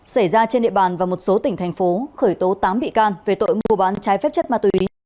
xảy ra trên địa bàn và một số tỉnh thành phố khởi tố tám bị can về tội mua bán trái phép chất ma túy